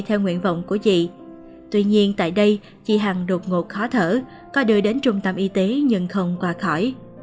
theo nguyện vọng của chị tuy nhiên tại đây chị hằng đột ngột khó thở có đưa đến trung tâm y tế nhưng không qua khỏi